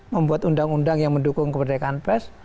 membuat undang undang yang mendukung kemerdekaan pers